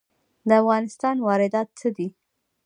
د افغانستان واردات څه دي؟